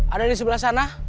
ada di sebelah sana